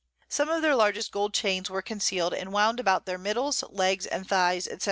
Some of their largest Gold Chains were conceal'd, and wound about their Middles, Legs, and Thighs, _&c.